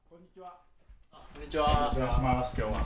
こんにちは。